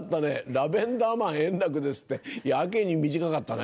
「ラベンダーマン圓楽です」ってやけに短かったね。